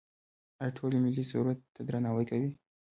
آیا ټول ملي سرود ته درناوی کوي؟